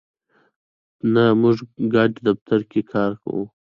نه، موږ ګډ دفتر کی کار کوو